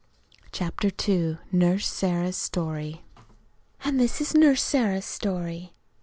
CHAPTER II NURSE SARAH'S STORY And this is Nurse Sarah's story.